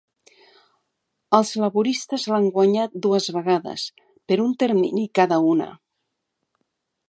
Els laboristes l'han guanyat dues vegades, per un termini cada una.